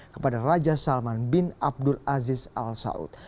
kepada raja salman bin abdul aziz al saud